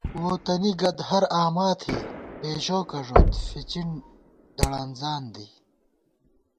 ووتَنی گد ہر آما تھی، بېژوکہ ݫوت، فِچِن دڑَنزان دی